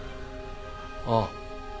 ああ。